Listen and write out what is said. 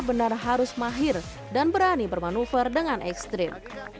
untuk skater skater harus mahir dan berani bermanuver dengan ekstrim